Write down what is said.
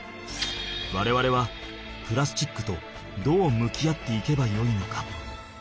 われわれはプラスチックとどう向き合っていけばよいのか。